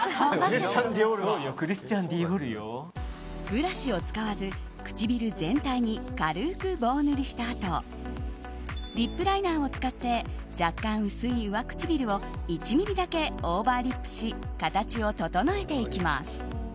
ブラシを使わず唇全体に軽く棒塗りしたあとリップライナーを使って若干薄い上唇を１ｍｍだけオーバーリップし形を整えていきます。